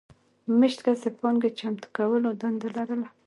مېشت کس د پانګې چمتو کولو دنده لرله.